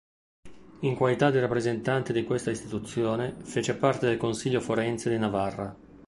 In qualità di rappresentante di questa istituzione, fece parte del Consiglio forense di Navarra.